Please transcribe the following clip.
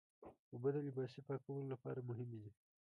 اوبه د لباسي پاکولو لپاره مهمې دي.